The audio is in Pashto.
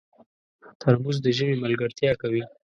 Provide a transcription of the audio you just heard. ترموز د ژمي ملګرتیا کوي.